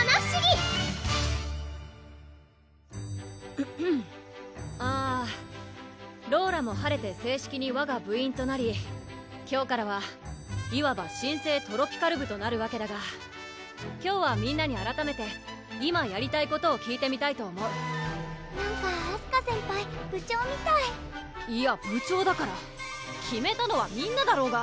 コホンあローラも晴れて正式にわが部員となり今日からはいわば新生トロピカる部となるわけだが今日はみんなにあらためて今やりたいことを聞いてみたいと思うなんかあすか先輩部長みたいいや部長だから決めたのはみんなだろうが！